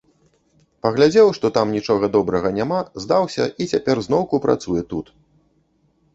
Паглядзеў, што там нічога добрага няма, здаўся і цяпер зноўку працуе тут.